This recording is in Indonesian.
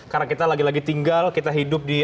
karena kita lagi lagi tinggal kita hidup di